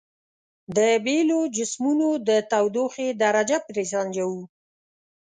د بیلو جسمونو د تودوخې درجه پرې سنجوو.